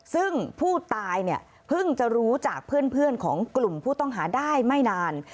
ซึ่งผู้ตายเนี่ยเพิ่งจะรู้จากเพื่อนของกลุ่มผู้ต้องหาได้ไม่นาน